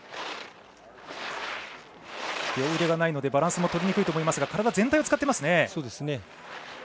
両腕がないのでバランスもとりにくいと思いますが体全体を使っていますね。